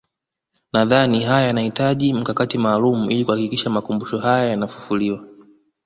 Nadhani haya yanahitaji mkakati maalum ili kuhakikisha makumbusho haya yanafufuliwa